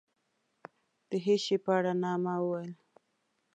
د هېڅ شي په اړه نه. ما وویل.